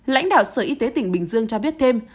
lãnh đạo sở y tế tỉnh bình dương cho biết thêm